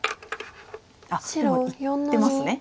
今いってますね。